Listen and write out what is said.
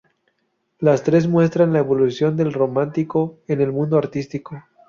Las tres muestran la evolución del románico en el mundo artístico.